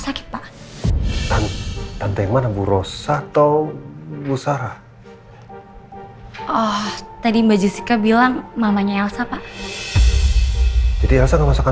sakit pak dan tentang mana bu rossa atau busara oh tadi tante sama sama aku mau ke rumah sakit ya